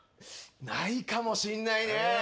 ないかもしんないね。